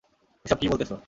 এইসব কি বলতেসো!